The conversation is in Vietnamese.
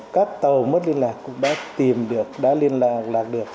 các tàu mất liên lạc cũng đã tìm được đã liên lạc được